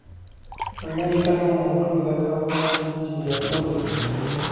Enneeyisa y'omuntu eraga bulungi gye yakulira.